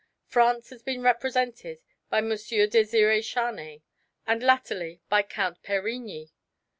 France has been represented by M. Desiré Charnay, and latterly by Count Perigny.